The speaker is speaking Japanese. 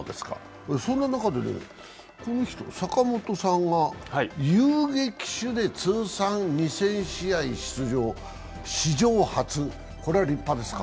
そんな中で、この人、坂本さんが遊撃手で通算２０００試合出場、史上初、これは立派ですか？